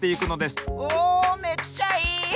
おめっちゃいい！